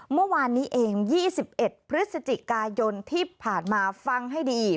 เมื่อวานนี้เอง๒๑พฤศจิกายนที่ผ่านมาฟังให้ดี